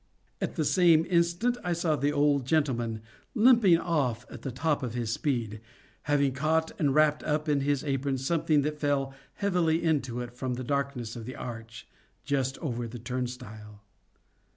At the same instant I saw the old gentleman limping off at the top of his speed, having caught and wrapt up in his apron something that fell heavily into it from the darkness of the arch just over the turnstile.